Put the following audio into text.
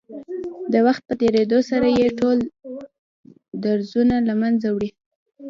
د وخت په تېرېدو سره يې ټول درځونه له منځه وړي.